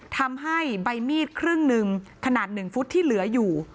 ทำให้ใบมีดครึ่งหนึ่งขนาด๑ฟุตที่เหลืออยู่